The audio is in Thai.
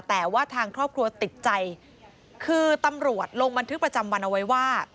แต่ว่าทางครอบครัวติดใจคือตำรวจลงบันทึกประจำวันเอาไว้ว่า